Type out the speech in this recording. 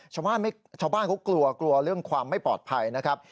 ชาวบ้านเขากลัวกลัวเรื่องความไม่ปลอดภัยนะครับ